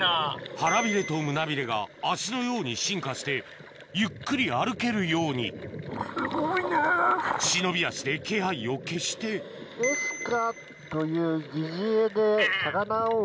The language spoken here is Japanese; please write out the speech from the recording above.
腹ビレと胸ビレが足のように進化してゆっくり歩けるように忍び足で気配を消してそうですね。